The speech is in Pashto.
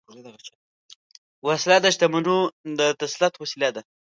وسله د شتمنو د تسلط وسیله ده